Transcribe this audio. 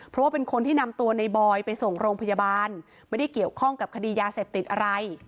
เพราะว่าเป็นคนที่นำตัวในบอยไปส่งโรงพยาบาลไม่ได้เกี่ยวข้องกับคดียาเสพติดอะไร